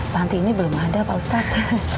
panti ini belum ada pak ustadz